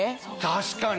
確かに！